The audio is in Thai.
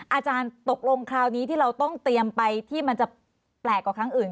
อาจารย์ตกลงคราวนี้ที่เราต้องเตรียมไปที่มันจะแปลกกว่าครั้งอื่น